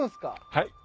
はい。